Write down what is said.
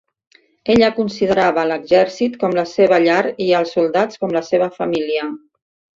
Ella considerava l'exèrcit com la seva llar i als soldats com la seva família.